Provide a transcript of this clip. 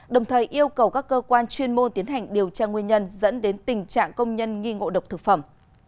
đồng thời yêu cầu các cơ quan chuyên môn tiến hành điều tra nguyên nhân dẫn đến tình trạng công nhân nghi ngộ độc thực phẩm